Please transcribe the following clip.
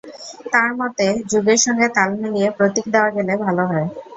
তাঁর মতে, যুগের সঙ্গে তাল মিলিয়ে প্রতীক দেওয়া গেলে ভালো হয়।